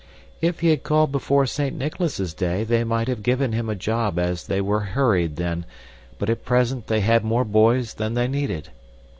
If he had called before Saint Nicholas's Day they might have given him a job as they were hurried then; but at present they had more boys than they needed.